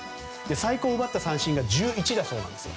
最高で奪った三振が１１だそうです。